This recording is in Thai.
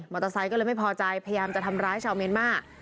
เตอร์ไซค์ก็เลยไม่พอใจพยายามจะทำร้ายชาวเมียนมาร์